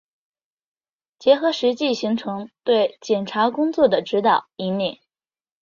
结合实际形成对检察工作的指导、引领